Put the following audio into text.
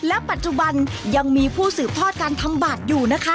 และปัจจุบันยังมีผู้สืบทอดการทำบัตรอยู่นะคะ